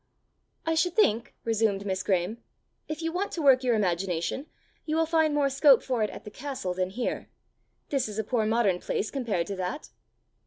"I should think," resumed Miss Graeme, "if you want to work your imagination, you will find more scope for it at the castle than here! This is a poor modern place compared to that."